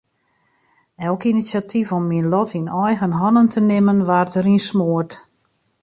Elk inisjatyf om myn lot yn eigen hannen te nimmen waard deryn smoard.